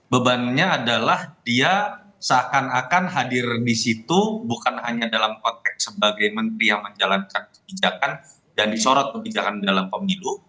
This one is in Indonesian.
bebannya adalah dia seakan akan hadir di situ bukan hanya dalam konteks sebagai menteri yang menjalankan kebijakan dan disorot kebijakan dalam pemilu